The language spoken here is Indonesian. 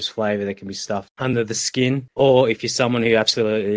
seorang wanita minyulbal arbella douglas adalah pendiri curry country